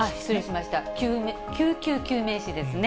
救急救命士ですね。